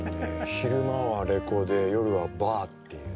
昼間はレコード屋夜はバーっていう。